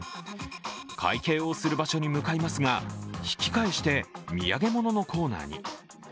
会計をする場所に向かいますが引き返して土産物のコーナーに。